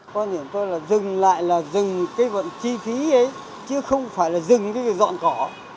con nhìn tôi là dừng lại là dừng cái vận chi phí ấy chứ không phải là dừng cái dọn cỏ